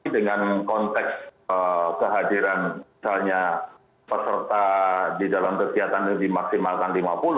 dengan konteks kehadiran misalnya peserta di dalam kegiatan yang dimaksimalkan lima puluh